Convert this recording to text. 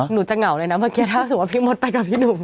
หนูจะเงาเลยนะเมื่อขาดของภินทร์ไปกับพี่หนู